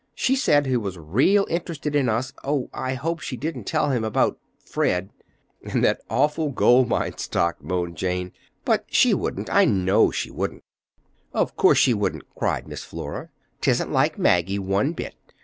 She said he was real interested in us. Oh, I hope she didn't tell him about—Fred!" "And that awful gold mine stock," moaned Jane. "But she wouldn't—I know she wouldn't!" "Of course she wouldn't," cried Miss Flora. "'Tisn't like Maggie one bit!